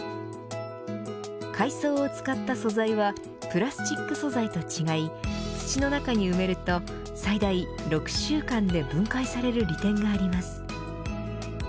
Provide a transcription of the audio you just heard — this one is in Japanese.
海藻を使った素材はプラスチック素材と違い土の中に埋めると、最大６週間で分解される利点があります。